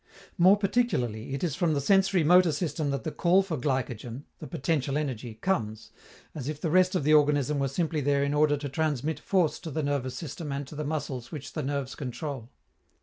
More particularly, it is from the sensori motor system that the call for glycogen, the potential energy, comes, as if the rest of the organism were simply there in order to transmit force to the nervous system and to the muscles which the nerves control.